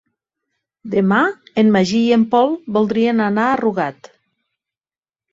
Demà en Magí i en Pol voldrien anar a Rugat.